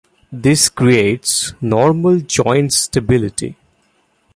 This creates normal joint stability.